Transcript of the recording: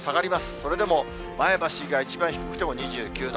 それでも前橋以外、一番低くても２９度。